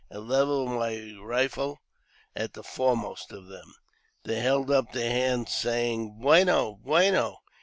" and levelled my rifle at the foremost of them. They held up their hands, saying, " Bueno ! bueno